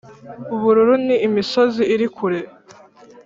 ubururu ni imisozi iri kure